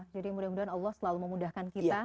jadi mudah mudahan allah selalu memudahkan kita